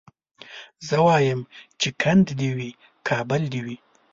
زه وايم چي کند دي وي کابل دي وي